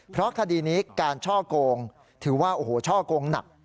เพราะคดีนี้การช่อโกงถือว่าโอ้โหช่อกงหนัก